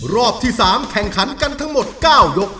รอบที่๓แข่งขันกันทั้งหมด๙ยก